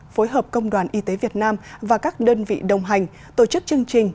phối hợp công đoàn y tế việt nam và các đơn vị đồng hành tổ chức chương trình